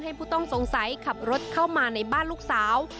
ผู้ต้องสงสัยขับรถเข้ามาในบ้านลูกสาว